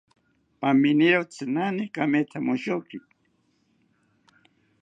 Paminiro tzinani kamethamoshoki